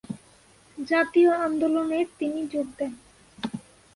জাতীয় আন্দোলনের তিনি যোগ দেন।